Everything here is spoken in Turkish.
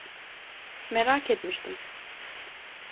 Merak etmiştim.